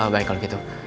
baik kalau gitu